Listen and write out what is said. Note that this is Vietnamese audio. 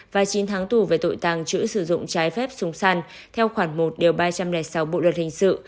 và chín tháng tù về tội tàng trữ sử dụng trái phép súng săn theo khoảng một ba trăm linh sáu bộ luật hình sự